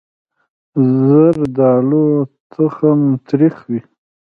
زردالو تخم تریخ وي.